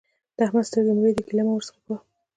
د احمد سترګې مړې دي؛ ګيله مه ورڅخه کوه.